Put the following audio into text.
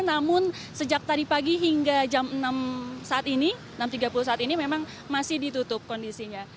namun sejak tadi pagi hingga jam enam saat ini enam tiga puluh saat ini memang masih ditutup kondisinya